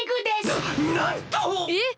ななんと！えっ！